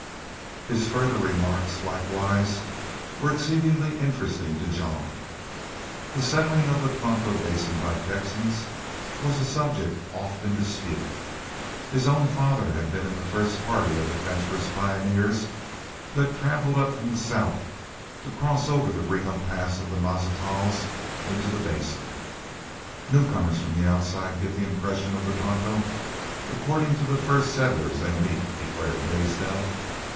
His further remarks, likewise, were exceedingly interesting to Jean. The settling of the Tonto Basin by Texans was a subject often in dispute. His own father had been in the first party of adventurous pioneers who had traveled up from the south to cross over the Reno Pass of the Mazatzals into the Basin. "Newcomers from outside get impressions of the Tonto accordin' to the first settlers they meet," declared Blaisdell.